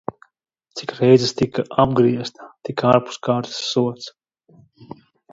Cik reizes tik apgriezta, tik ārpuskārtas sods.